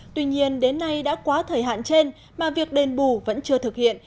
tuy nhiên đến nay đã quá thời hạn trên mà việc đền bù vẫn chưa thực hiện